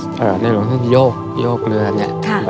ที่นายลงทางพี่โอยกเรือเนี่ย